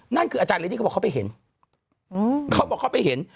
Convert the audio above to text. นั่นคืออาจารย์เรนนี่เขาบอกเขาไปเห็น